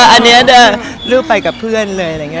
อันนี้ลูกไปกับเพื่อนเลย